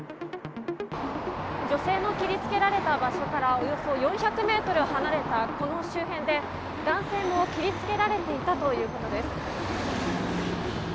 女性の切りつけられた場所からおよそ４００ｍ離れたこの周辺で男性も切りつけられていたということです。